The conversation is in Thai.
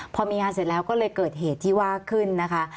พอมีงานเสร็จแล้วก็เลยเกิดเหตุที่ว่าขึ้นนะคะ